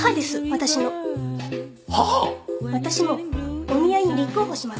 私もお見合いに立候補します。